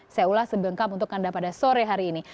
saya ulas sebelengkap untuk anda pada sore hari ini